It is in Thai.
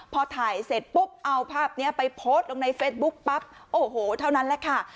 พอถ่ายเสร็จปุ๊บเอาภาพนี้ไปโพสต์ลงในเฟซบุ๊คปั๊บโอ้โหเท่านั้นแหละค่ะ